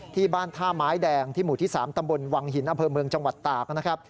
ที่บ้านท่าไม้แดงที่หมู่ที่๓ตำบลวังหินอำเภอเมืองจังหวัดตากนะครับ